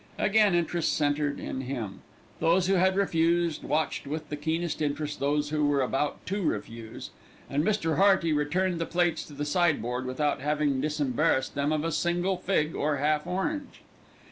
Again interest centred in him. Those who had refused watched with the keenest interest those who were about to refuse, and Mr. Hearty returned the plates to the sideboard without having disembarrassed them of a single fig or half orange.